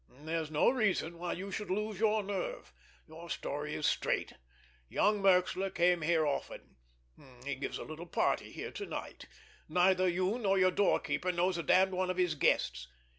There's no reason why you should lose your nerve—your story is straight. Young Merxler came here often. He gives a little party here to night. Neither you nor your doorkeeper knows a damned one of his guests.